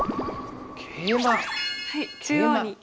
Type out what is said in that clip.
はい中央に。